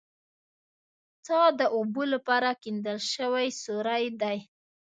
څا د اوبو لپاره کیندل شوی سوری دی